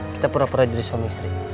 kita pura pura jadi suami istri